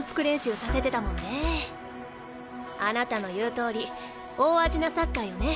あなたの言うとおり大味なサッカーよね。